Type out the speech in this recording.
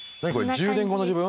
１０年後の自分。